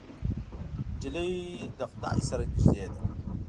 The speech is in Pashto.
نجلۍ له خدای سره نږدې ده.